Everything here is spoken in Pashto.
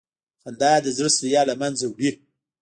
خندا د زړه ستړیا له منځه وړي.